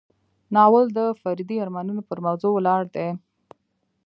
ناول د فردي ارمانونو پر موضوع ولاړ دی.